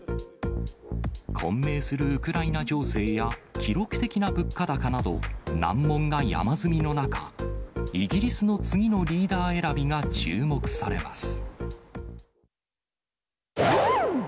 混迷するウクライナ情勢や、記録的な物価高など、難問が山積みの中、イギリスの次のリーダー選びが注目されます。